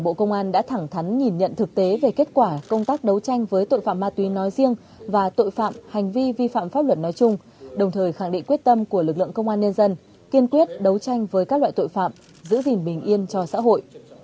bộ công an đã thẳng thắn nhìn nhận thực tế về kết quả công tác đấu tranh với tội phạm ma túy nói riêng và tội phạm hành vi vi phạm pháp luật nói chung đồng thời khẳng định quyết tâm của lực lượng công an nhân dân kiên quyết đấu tranh với các loại tội phạm giữ gìn bình yên cho xã hội